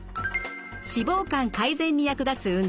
脂肪肝改善に役立つ運動